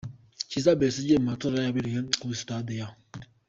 Kiza Besigye mu matora yabereye kuri stade ya.